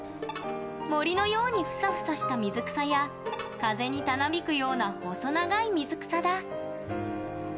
森のようにフサフサした水草や風にたなびくような細長い水草だ。